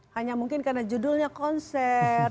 hanya mungkin karena judulnya konser